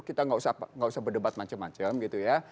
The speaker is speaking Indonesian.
kita nggak usah berdebat macam macam gitu ya